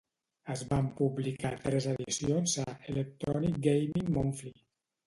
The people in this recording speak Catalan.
Es van publicar tres edicions a "Electronic Gaming Monthly".